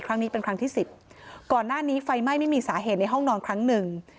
ครั้งนี้เป็นครั้งที่สิบก่อนหน้านี้ไฟไหม้ไม่มีสาเหตุในห้องนอนครั้งหนึ่ง